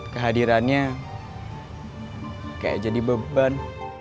kehadirannya kayak jadi beban